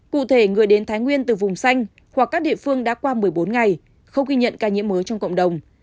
cụ thể người đến thái nguyên từ vùng xanh hoặc các địa phương đã qua một mươi bốn ngày không ghi nhận ca nhiễm mới trong cộng đồng